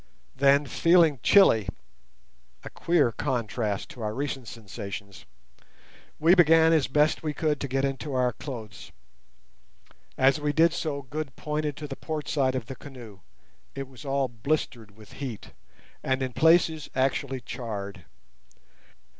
Then, feeling chilly—a queer contrast to our recent sensations—we began as best we could to get into our clothes. As we did so Good pointed to the port side of the canoe: it was all blistered with heat, and in places actually charred.